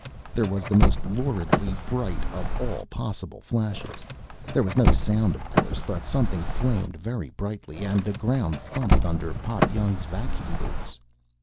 There was the most luridly bright of all possible flashes. There was no sound, of course. But something flamed very brightly, and the ground thumped under Pop Young's vacuum boots.